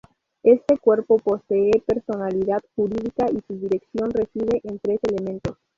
Este cuerpo posee personalidad jurídica y su dirección reside en tres elementos.